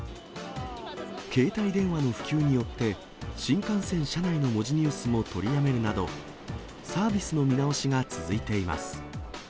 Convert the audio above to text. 携帯電話の普及によって、新幹線車内の文字ニュースも取りやめるなど、サービスの見直しが続いています。